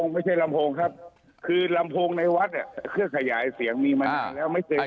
ไม่ใช่ลำโพงครับคือลำโพงในวัดเครื่องขยายเสียงมีมานานแล้วไม่เจอ